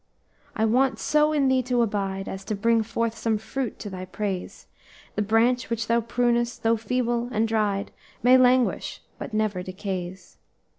"'I want so in thee to abide As to bring forth some fruit to thy praise; The branch which thou prunest, though feeble and dried, May languish, but never decays.